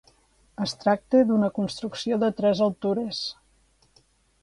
Es tracta d'una construcció de tres altures.